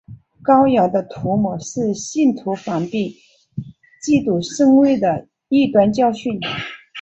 膏油的涂抹是要信徒防备基督身位的异端教训。